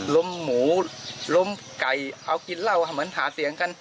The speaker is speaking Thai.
หมูล้มไก่เอากินเหล้าเหมือนหาเสียงกัน